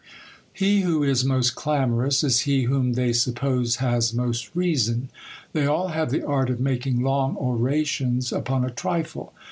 "He who is most clamorous, is he whom they suppose has most reason. They all have the art of making long orations upon a trifle.